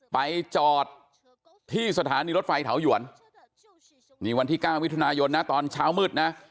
ไปจอดที่สถานีรถไฟเถาหยวนนี่วันที่๙มิถุนายนนะตอนเช้ามืดนะ